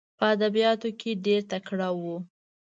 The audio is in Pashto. په ادبیاتو کې ډېر تکړه وو.